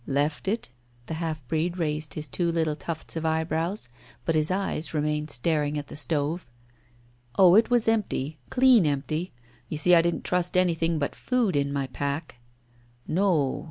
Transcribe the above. "Left it?" The half breed raised his two little tufts of eyebrows, but his eyes remained staring at the stove. "Oh, it was empty clean empty. You see, I didn't trust anything but food in my pack." "No.